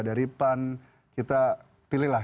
dari pan kita pilihlah